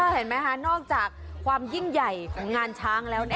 เห็นไหมคะนอกจากความยิ่งใหญ่ของงานช้างแล้ว